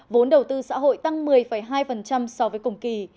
vốn đầu tư xã hội tăng một mươi hai so với cùng kỳ